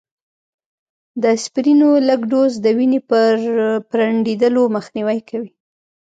د اسپرينو لږ ډوز، د وینې د پرنډېدلو مخنیوی کوي